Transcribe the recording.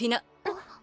あっ。